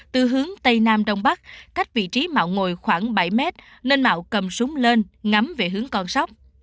từ hướng tây nam đông bắc cách vị trí mạo ngồi khoảng bảy mét nên mạo cầm súng lên ngắm về hướng con sóc